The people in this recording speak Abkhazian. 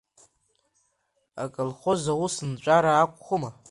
Акомхоз аус нҵәара ақәхума!